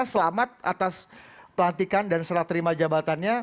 selamat atas pelantikan dan serah terima jabatannya